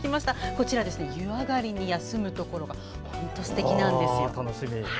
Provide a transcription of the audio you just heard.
こちらの湯上がりに休むところが本当にすてきなんですよ。